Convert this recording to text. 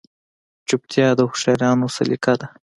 چوپتیا، د هوښیارانو سلیقه ده.